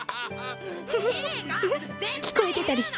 フフフ聞こえてたりして。